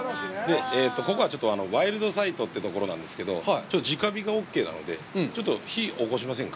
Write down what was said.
ここはちょっとワイルドサイトというところなんですけど、ちょっと直火がオッケーなので、ちょっと火をおこしませんか？